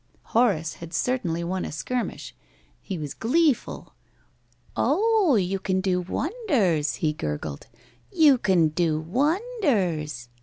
Horace had certainly won a skirmish. He was gleeful. "Oh, you can do wonders!" he gurgled. "You can do wonders!"